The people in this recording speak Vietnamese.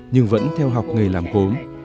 nhưng vẫn theo học nghề làm gốm